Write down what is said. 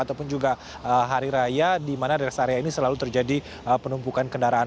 ataupun juga hari raya di mana rest area ini selalu terjadi penumpukan kendaraan